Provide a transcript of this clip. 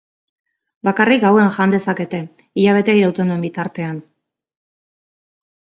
Bakarrik gauean jan dezakete hilabetea irauten duen bitartean.